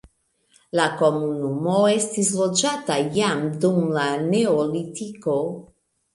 La komunumo estis loĝata jam dum la neolitiko.